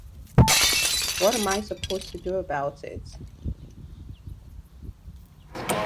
What am I supposed to do about it?